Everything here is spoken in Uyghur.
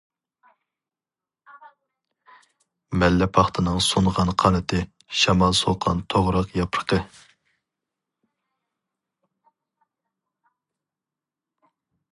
مەللە پاختىنىڭ سۇنغان قانىتى شامال سوققان توغراق ياپرىقى.